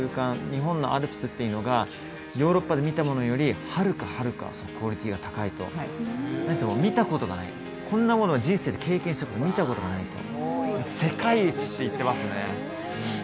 日本のアルプスっていうのがヨーロッパで見たものよりはるかはるかクオリティーが高いと見たことがないこんなものは人生で経験したこと見たことがないと世界一って言ってますね